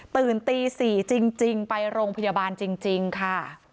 ตื่นตี๔จริงไปโรงพยาบาลจริงค่ะ